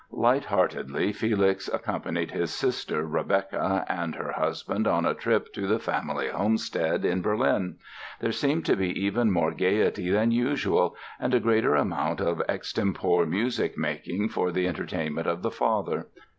Light heartedly Felix accompanied his sister, Rebecka, and her husband on a trip to the family homestead in Berlin. There seemed to be even more gayety than usual and a greater amount of extempore music making for the entertainment of the father.